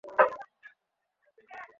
তাহলে দরজা থেকে সরে দাঁড়াও।